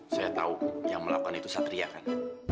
saya tahu yang melakukan itu satria kan